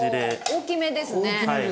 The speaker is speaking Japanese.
大きめですね。